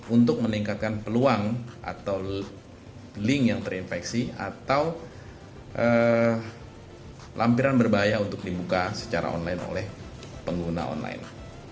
untuk meningkatkan peluang atau link yang terinfeksi atau lampiran berbahaya untuk dibuka secara online oleh pengguna online